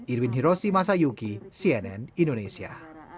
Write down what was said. irwin hiroshi masayuki cnn indonesia